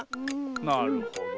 なるほど。